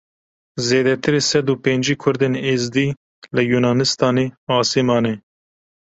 Zêdetirî sed û pêncî Kurdên Êzidî li Yunanistanê asê mane.